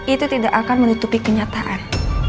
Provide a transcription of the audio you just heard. itu tidak akan menutupi kenyataan